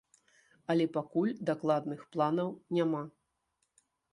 Але пакуль дакладных планаў няма.